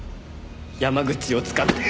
山口を使って。